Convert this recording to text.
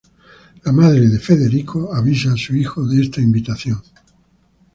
La madre de Federico avisa a su hijo de esta invitación.